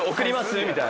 みたいな。